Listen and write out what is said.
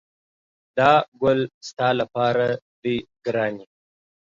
دا ګل ستا لپاره دی ګرانې!